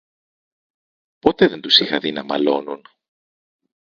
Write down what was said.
Ποτέ δεν τους είχα δει να μαλώνουν